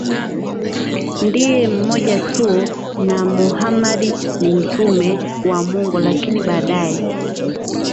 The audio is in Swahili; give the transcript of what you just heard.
ndiye mmoja tu na Mohamad ni mtume wa Mungu Lakini baadaye